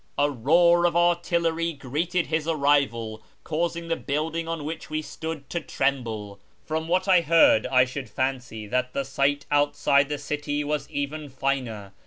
A roar of artillery greeted his arrival, causing the building on which we stood to tremble. From what I heard 1 should fancy that the sight outside the city was even finer.